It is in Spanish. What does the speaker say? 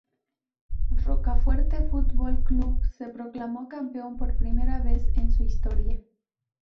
Rocafuerte Fútbol Club se proclamó campeón por primera vez en su historia.